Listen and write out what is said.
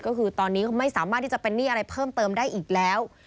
ก็คือตอนนี้เขาไม่สามารถที่จะเป็นหนี้อะไรเพิ่มเติมได้อีกแล้ว